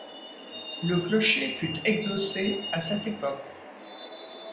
Le clocher fut exhaussé à cette époque.